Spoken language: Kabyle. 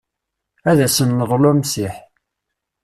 Ad sen-neḍlu amsiḥ.